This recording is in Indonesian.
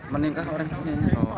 menikah sama orang sini